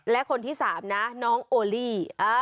และคนที่๓นะน้องโอลี่